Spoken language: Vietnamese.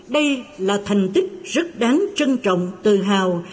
đây là thành tích rất đáng trân trọng tự hào